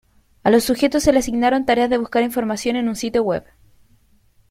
A los sujetos se le asignaron tareas de buscar información en un sitio web.